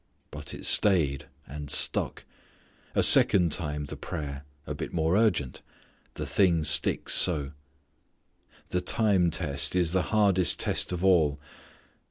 But it stayed and stuck. A second time the prayer; a bit more urgent; the thing sticks so. The time test is the hardest test of all.